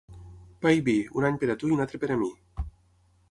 Pa i vi, un any per tu i un altre per mi.